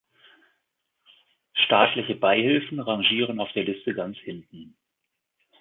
Staatliche Beihilfen rangieren auf der Liste ganz hinten.